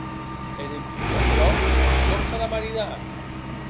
E, dempús d'aquerò, com s'a de maridar?